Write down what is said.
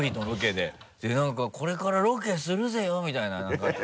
で何か「これからロケするぜよ」みたいな何か。